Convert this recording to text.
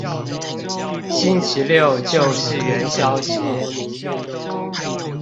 星期六就是元宵節